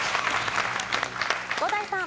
伍代さん。